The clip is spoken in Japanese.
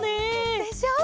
でしょう？